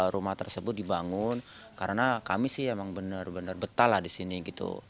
rumah tersebut dibangun karena kami sih emang benar benar betah lah di sini gitu